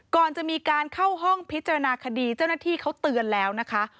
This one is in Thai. ก่อนจะมีการเข้าห้องพิจารณาคดีเจ้าหน้าที่เขาเตือนแล้วนะคะ